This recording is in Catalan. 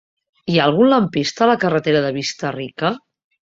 Hi ha algun lampista a la carretera de Vista-rica?